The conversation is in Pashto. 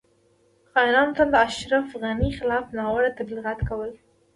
خاینانو تل د اشرف غنی خلاف ناوړه تبلیغات کول